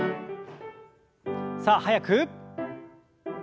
さあ速く。